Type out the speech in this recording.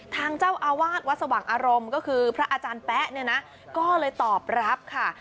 ทางเจ้าอาวาสวัดสว่างอารมณ์ก็คือพระอาจารย์แป๊ะเนี่ยนะก็เลยตอบรับค่ะ